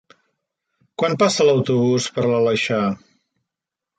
Quan passa l'autobús per l'Aleixar?